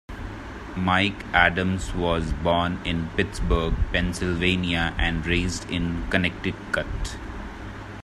Mike Adams was born in Pittsburgh, Pennsylvania and raised in Connecticut.